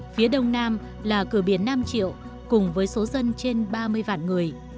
phía đông nam là cửa biển nam triệu cùng với số dân trên ba mươi vạn người